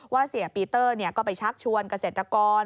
เสียปีเตอร์ก็ไปชักชวนเกษตรกร